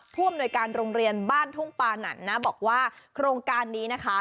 ผู้อำนวยการโรงเรียนบ้านทุ่งปานั่นนะบอกว่าโครงการนี้นะคะ